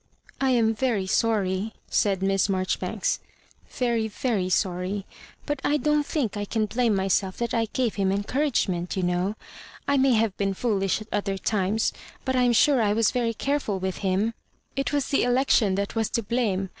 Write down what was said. " I am very sorry," said Miss Marjoribanks, "very very sorry; but I don't think I can blame myielf that I gave him encouragement, you know. I may have been foolish at other times, but I am sure I was very careful witii him. It was the election that was to blame.